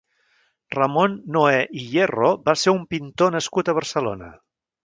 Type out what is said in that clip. Ramon Noè i Hierro va ser un pintor nascut a Barcelona.